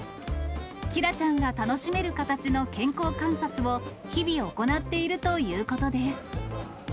キラちゃんが楽しめる形の健康観察を、日々行っているということです。